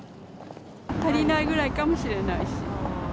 足りないぐらいかもしれないし。